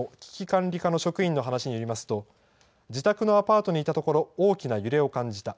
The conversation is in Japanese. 管理課の職員の話によりますと、自宅のアパートにいたところ、大きな揺れを感じた。